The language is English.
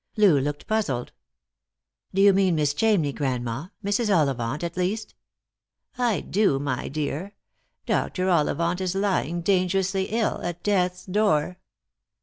Loo looked puzzled. "Do you mean Miss Chamney, grandma — Mrs. Ollivant, at least?" " I do, my dear. Dr. Ollivant is lying dangerously ill — at death's door."